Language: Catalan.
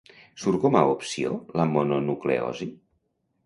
Surt com a opció la mononucleosi?